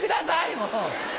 もう！